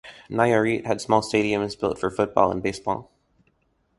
Nayarit had small stadiums built for football and baseball.